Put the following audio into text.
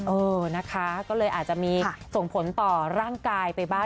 เออนะคะก็เลยอาจจะมีส่งผลต่อร่างกายไปบ้าง